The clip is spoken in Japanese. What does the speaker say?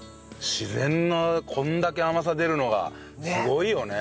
自然なこんだけ甘さ出るのがすごいよね。